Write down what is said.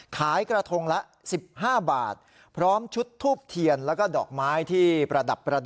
ขายกระทงละสิบห้าบาทพร้อมชุดทูปเทียนแล้วก็ดอกไม้ที่ประดับประดาษ